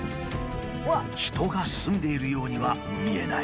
人が住んでいるようには見えない。